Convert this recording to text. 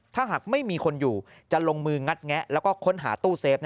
ถ้าหากไม่มีคนอยู่จะลงมืองัดแงะแล้วก็ค้นหาตู้เซฟ